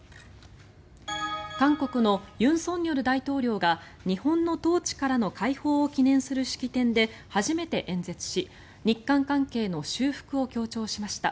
韓国の尹錫悦大統領が日本の統治からの解放を記念する式典で初めて演説し日韓関係の修復を強調しました。